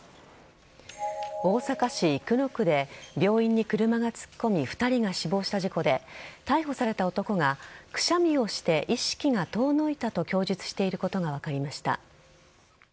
大阪市生野区で病院に車が突っ込み２人が死亡した事故で逮捕された男がくしゃみをして意識が遠のいたと供述していることが分かりました。